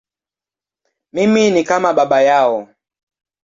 Mimi ni kama baba yao.